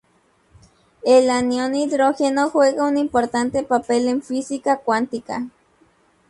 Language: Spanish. El anión hidrógeno juega un importante papel en física cuántica.